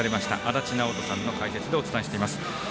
足達尚人さんの解説でお伝えします。